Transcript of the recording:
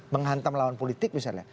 menghantam lawan politik misalnya